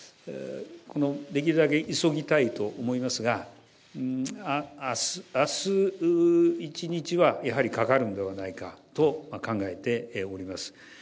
できるだけ急ぎたいと思いますが、あす１日はやはりかかるのではないかと考えております。